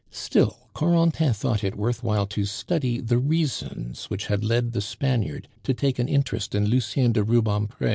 Still, Corentin thought it worth while to study the reasons which had led the Spaniard to take an interest in Lucien de Rubempre.